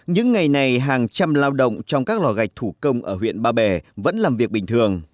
những ngày này hàng trăm lao động trong các lò gạch thủ công ở huyện ba bể vẫn làm việc bình thường